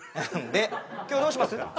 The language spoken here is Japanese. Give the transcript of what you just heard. で今日どうします？